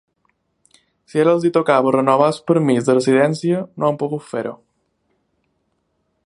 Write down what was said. Si ara els tocava renovar el permís de residència, no han pogut fer-ho.